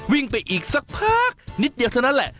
วิ่งไปอีกสักพักนิดเดียวเท่านั้นแหละ